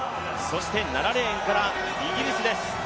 ７レーンから、イギリスです。